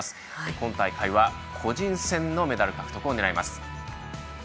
今大会は、個人戦のメダル獲得を狙います。